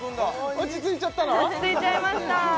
落ち着いちゃいました